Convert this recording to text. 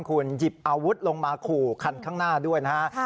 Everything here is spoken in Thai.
คุณหยิบอาวุธลงมาขู่คันข้างหน้าด้วยนะฮะ